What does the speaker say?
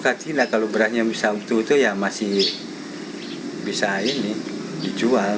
kaki lah kalau berasnya bisa utuh itu ya masih bisa ini dijual